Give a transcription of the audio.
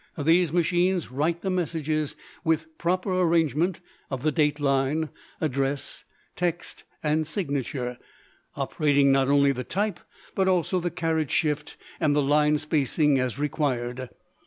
These machines write the messages with proper arrangement of the date line, address, text, and signature, operating not only the type, but also the carriage shift and the line spacing as required.